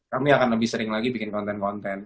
kami akan lebih sering lagi bikin konten konten